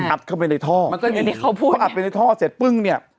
อัดเข้าไปในท่อเพราะอัดไปในท่อเสร็จปึ้งเนี่ย